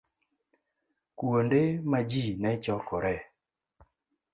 Kuonde ma ji ne chokoree